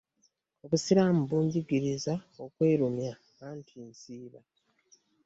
Obusiraamu bunjigirizza okwerumya anti nsiiba.